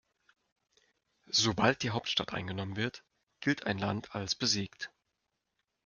Sobald die Hauptstadt eingenommen wird, gilt ein Land als besiegt.